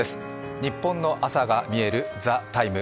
ニッポンの朝がみえる「ＴＨＥＴＩＭＥ，」